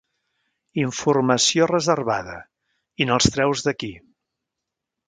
Informació reservada, i no els treus d'aquí.